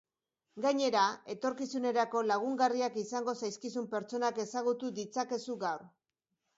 Gainera, etorkizunerako lagungarriak izango zaizkizun pertsonak ezagutu ditzakezu gaur.